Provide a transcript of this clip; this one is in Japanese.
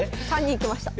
３人きました。